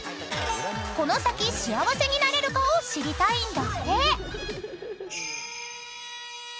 ［この先幸せになれるかを知りたいんだって］